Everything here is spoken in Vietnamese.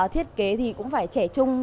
thiết kế thì cũng phải trẻ trung